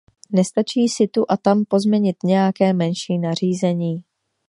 Nestačí si tu a tam pozměnit nějaké menší nařízení.